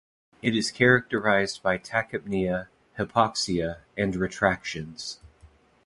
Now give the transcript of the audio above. It is characterized by tachypnea, hypoxia, and retractions.